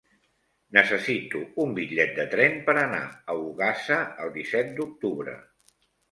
Necessito un bitllet de tren per anar a Ogassa el disset d'octubre.